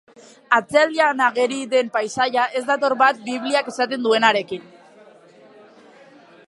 Atzealdean ageri den paisaia ez dator bat Bibliak esaten duenarekin.